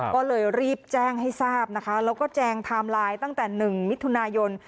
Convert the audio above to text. ก็เลยรีบแจ้งให้ทราบนะคะแล้วก็แจงไทม์ไลน์ตั้งแต่๑มิถุนายน